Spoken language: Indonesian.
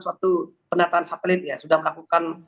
suatu penataan satelit ya sudah melakukan